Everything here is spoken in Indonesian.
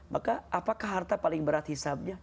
maka apakah harta paling berat hisabnya